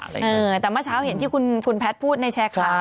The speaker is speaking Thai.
อะไรอย่างเงี้ยเออแต่เมื่อเช้าเห็นที่คุณฟุนแพทย์พูดในแชร์คำ